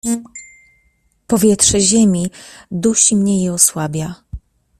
"Powietrze ziemi dusi mnie i osłabia."